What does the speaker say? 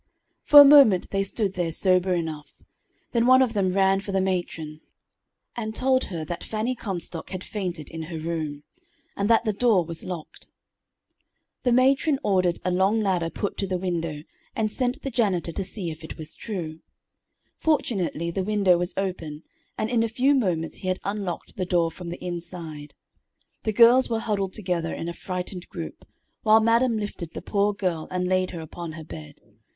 For a moment they stood there sober enough; then one of them ran for the matron, and told her that Fanny Comstock had fainted in her room, and that the door was locked. The matron ordered a long ladder put to the window, and sent the janitor to see if it was true. Fortunately the window was open, and in a few moments he had unlocked the door from the inside. The girls were huddled together in a frightened group, while madam lifted the poor girl and laid her upon her bed.